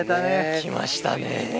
来ましたね。